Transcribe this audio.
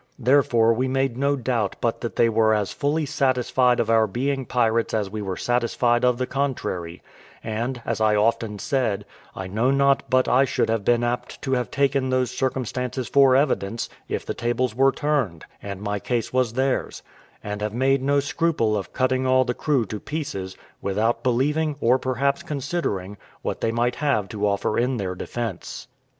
Therefore we made no doubt but they were as fully satisfied of our being pirates as we were satisfied of the contrary; and, as I often said, I know not but I should have been apt to have taken those circumstances for evidence, if the tables were turned, and my case was theirs; and have made no scruple of cutting all the crew to pieces, without believing, or perhaps considering, what they might have to offer in their defence.